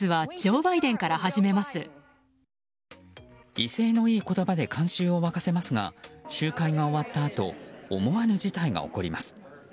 威勢のいい言葉で観衆を沸かせますが集会が終わったあと思わぬ事態が起こります。